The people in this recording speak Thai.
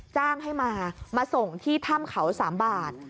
จ้างให้มามาส่งที่ถ้ำเขา๓บาท